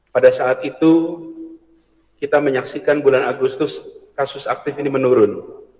pada saat itu kita menyaksikan bulan agustus kasus aktif ini menurun